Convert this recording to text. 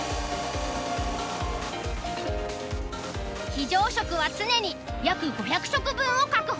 非常食は常に約５００食分を確保。